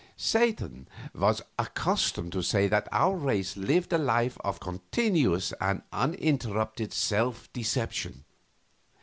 Satan was accustomed to say that our race lived a life of continuous and uninterrupted self deception.